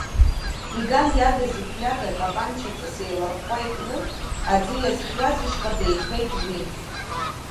Иган иадыз ифлиага, тапанчаҵас еиларӷәӷәа икны, аӡы иазхьуаз ишҟа деихеит уи.